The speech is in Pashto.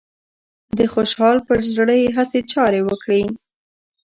د خوشحال پر زړه يې هسې چارې وکړې